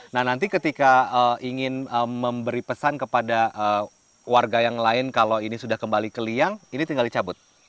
nah nanti ketika ingin memberi pesan kepada warga yang lain kalau ini sudah kembali ke liang ini tinggal dicabut